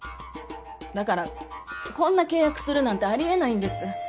だからこんな契約するなんてありえないんです。